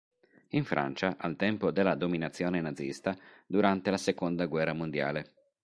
In Francia, al tempo della dominazione nazista, durante la seconda guerra mondiale.